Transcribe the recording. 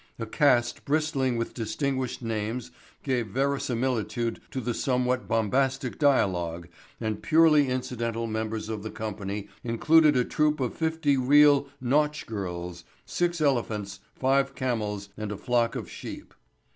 A cast bristling with distinguished names gave verisimilitude to the somewhat bombastic dialogue and purely incidental members of the company included a troupe of fifty real nautch girls, six elephants, five camels and a flock of sheep.